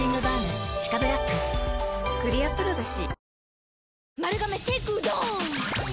クリアプロだＣ。